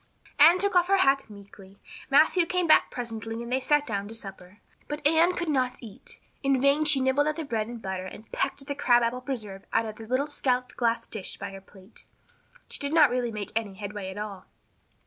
Anne took off her hat meekly. Matthew came back presently and they sat down to supper. But Anne could not eat. In vain she nibbled at the bread and butter and pecked at the crab apple preserve out of the little scalloped glass dish by her plate. She did not really make any headway at all.